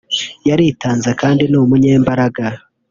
yaritanze kandi ni umunyembaraga